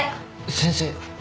先生。